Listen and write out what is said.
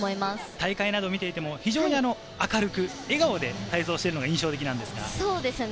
大会などを見ていても、明るく笑顔で体操しているのが印象的ですね。